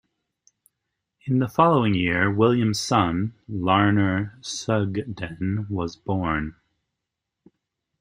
In the following year William's son, Larner Sugden, was born.